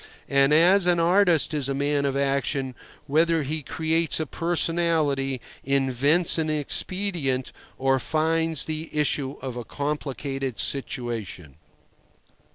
And an artist is a man of action, whether he creates a personality, invents an expedient, or finds the issue of a complicated situation.